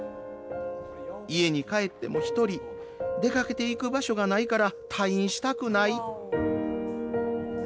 家に帰っても１人出かけていく場所がないから退院したくない。